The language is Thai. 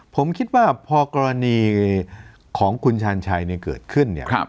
ผมคิดว่าพอกรณีของคุณชาญชัยเกิดขึ้นเนี่ย